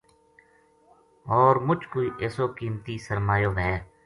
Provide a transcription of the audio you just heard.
ہور مُچ کوئی ایسو قیمتی سرمایو وھے